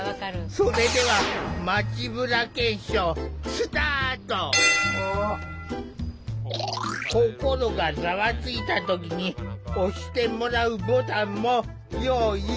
それでは心がざわついた時に押してもらうボタンも用意。